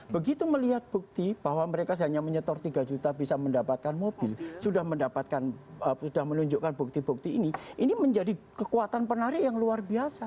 begitu melihat bukti bahwa mereka hanya menyetor tiga juta bisa mendapatkan mobil sudah mendapatkan sudah menunjukkan bukti bukti ini ini menjadi kekuatan penarik yang luar biasa